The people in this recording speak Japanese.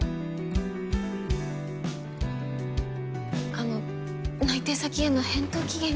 あの内定先への返答期限が。